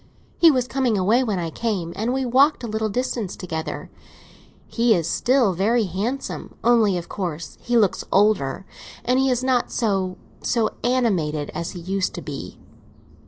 He was coming away when I came, and we walked a little distance together. He is still very handsome, only, of course, he looks older, and he is not so—so animated as he used to be.